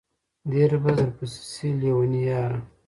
ډېر به درپسې شي لېوني ياره